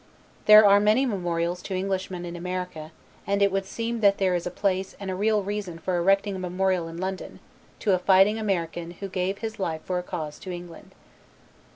There are many memorials to Englishmen in America and it would seem that there is a place and a real reason for erecting a memorial in London to a fighting American who gave his life for a cause to England."